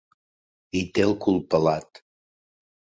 Hi té el cul pelat.